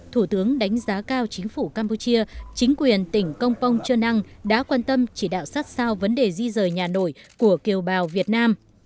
thủ tướng đánh giá cao chính phủ campuchia chính quyền tỉnh công pong chơ năng đã quan tâm chỉ đạo sát sao vấn đề di rời nhà nổi của kiều bào việt nam